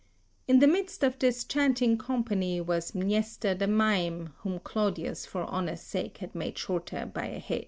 In the midst of this chanting company was Mnester the mime, whom Claudius for honour's sake had made shorter by a head.